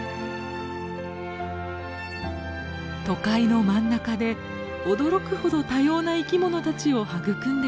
都会の真ん中で驚くほど多様な生き物たちを育んでいました。